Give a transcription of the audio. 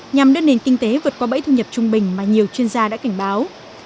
nhằm đưa nền kinh tế vượt qua bẫy thu nhập trung bình mà nhiều chuyên gia đã cảnh báo